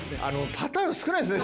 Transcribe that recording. パターン少ないですね